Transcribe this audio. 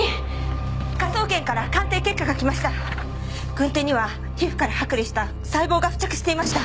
軍手には皮膚から剥離した細胞が付着していました！